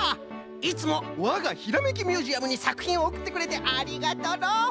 いつもわがひらめきミュージアムにさくひんをおくってくれてありがとうの！